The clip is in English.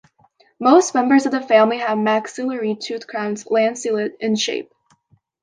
Most members of the family have maxillary tooth crowns lanceolate in shape.